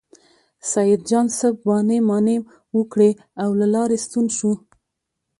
سیدجان څه بانې مانې وکړې او له لارې ستون شو.